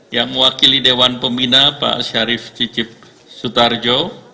yang mewakili dewan pembina pak syarif cicip sutarjo